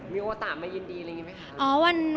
มีโอตะมายินดีอะไรงี้ไหมคะ